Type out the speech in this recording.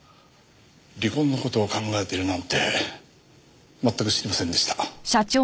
離婚の事を考えているなんて全く知りませんでした。